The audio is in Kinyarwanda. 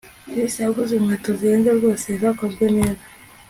Chris yaguze inkweto zihenze rwose zakozwe neza